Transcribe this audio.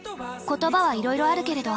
言葉はいろいろあるけれど。